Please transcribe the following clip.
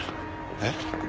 えっ？